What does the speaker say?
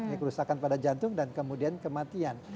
ini kerusakan pada jantung dan kemudian kematian